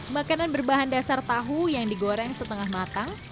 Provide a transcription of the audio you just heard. makanan berbahan dasar tahu yang digoreng setengah matang